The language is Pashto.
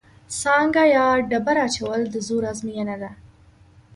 سانګه یا ډبره اچول د زور ازموینه ده.